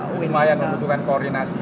lumayan membutuhkan koordinasi